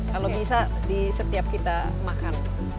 kalau bisa di setiap kita makan